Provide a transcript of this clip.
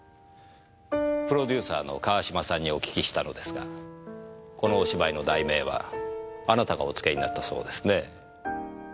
プロデューサーの川島さんにお聞きしたのですがこのお芝居の題名はあなたがお付けになったそうですね。